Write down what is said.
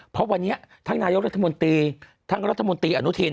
เพราะวันนี้ทั้งนายรัฐมนตรี